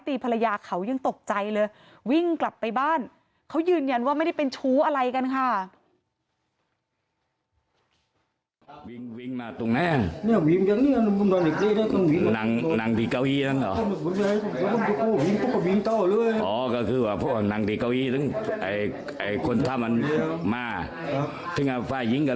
ภรรยาเขายังตกใจเลยวิ่งกลับไปบ้านเขายืนยันว่าไม่ได้เป็นชู้อะไรกันค่ะ